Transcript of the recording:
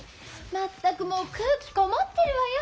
まったくもう空気籠もってるわよ。